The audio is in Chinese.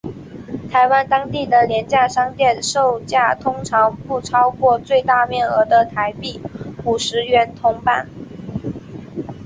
台湾当地的廉价商店售价通常不超过最大面额的台币五十元铜板。